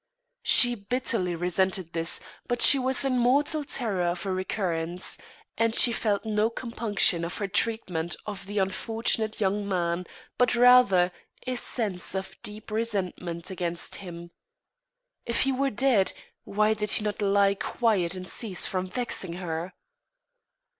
She bitterly resented this, but she was in mortal terror of a recurrence; and she felt no compunction for her treatment of the unfortunate young man, but rather a sense of deep resentment against him. If he were dead, why did he not lie quiet and cease from vexing her?